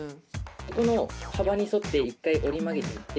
ここの幅に沿って一回折り曲げていって。